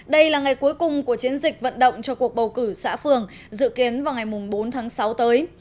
đây là ngày cuối cùng của chiến dịch vận động cho cuộc bầu cử xã phường dự kiến vào ngày bốn tháng sáu tới